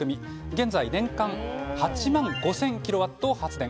現在、年間８万５０００キロワットを発電。